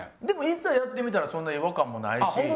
でも実際やってみたらそんな違和感もないし。